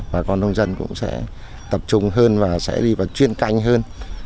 bà con nông dân cũng sẽ tập trung hơn và sẽ đi vào chuyên canh hơn